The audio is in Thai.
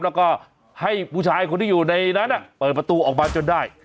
แล้วก็ให้ผู้ชายคนที่อยู่ในนั้นเปิดประตูออกมาจนได้